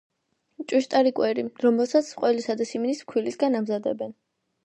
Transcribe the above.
ჭვიშტარი კვერი, რომელსაც ყველისა და სიმინდის ფქვილისგან ამზადებენ.